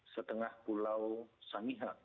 setengah pulau samiha